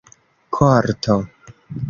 korto